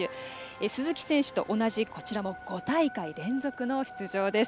鈴木選手と同じこちらも５大会連続の出場です。